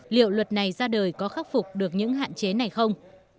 liệu luật này ra đời có khắc phục được những hạn chế này không